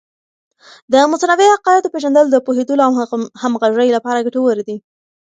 د متنوع عقایدو پیژندل د پوهیدلو او همغږۍ لپاره ګټور دی.